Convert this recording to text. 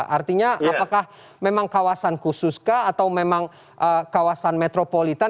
artinya apakah memang kawasan khusus kah atau memang kawasan metropolitan